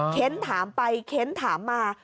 เค้นถามไปเค้นถามมา